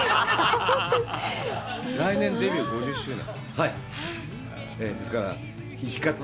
来年、デビュー５０周年？